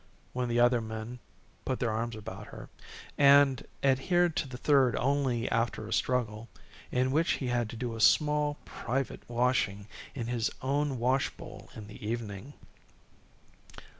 when the other men put their arms about her; and adhered to the third only after a struggle, in which he had to do a small private washing in his own wash bowl in the evening.